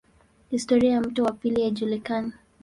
Historia ya mto wa pili haijulikani.